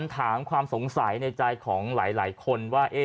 ถามความสงสัยในใจของหลายคนว่า